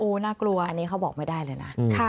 อันนี้เขาบอกไม่ได้เลยนะ